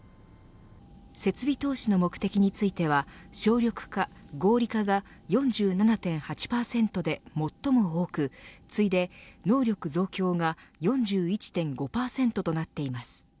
設備投資の目的については省力化、合理化が４７．８％で最も多く次いで能力増強が４１．５％となっています。